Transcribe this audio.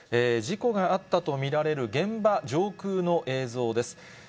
事故があったと見られる現場上空の映像です。